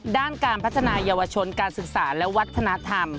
ด้านการพัฒนายาวชนการศึกษาและวัฒนธรรม